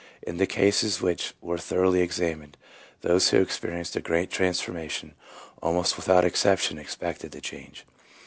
In the cases which were thoroughly examined, those who experienced a great transformation, almost without exception, expected the change.